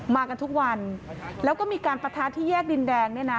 มากันทุกวันแล้วก็มีการปะทะที่แยกดินแดงเนี่ยนะ